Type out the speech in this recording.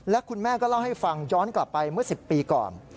และคุณแม่ก็เล่าให้ฟังย้อนกลับไปเมื่อ๑๐ปีก่อน